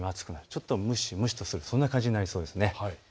ちょっと蒸し蒸しとする、そんな感じとなりそうです。